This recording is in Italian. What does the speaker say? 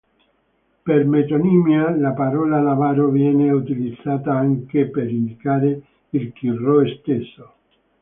Per metonimia la parola labaro viene utilizzata anche per indicare il Chi Rho stesso.